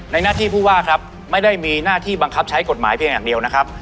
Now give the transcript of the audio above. หน้าที่ผู้ว่าครับไม่ได้มีหน้าที่บังคับใช้กฎหมายเพียงอย่างเดียวนะครับ